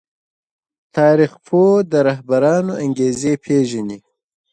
تاريخ پوه د رهبرانو انګېزې پېژني.